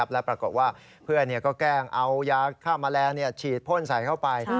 แล้วปรากฏว่าเพื่อนก็แกล้งเอายาฆ่าแมลงฉีดพ่นใส่เข้าไป